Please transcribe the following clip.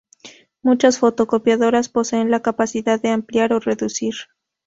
Muchas fotocopiadoras poseen la capacidad de ampliar o reducir.